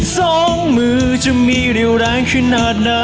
สองมือจะมีเร็วแรงขนาดไหน